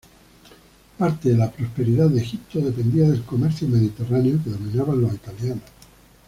Parte de la prosperidad de Egipto dependía del comercio mediterráneo que dominaban los italianos.